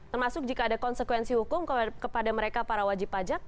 termasuk jika ada konsekuensi hukum kepada mereka para wajib pajak